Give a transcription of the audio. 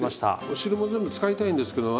お汁も全部使いたいんですけど